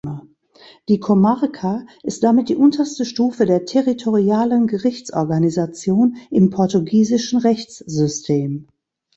Die Comarca ist damit die unterste Stufe der territorialen Gerichtsorganisation im portugiesischen Rechtssystem.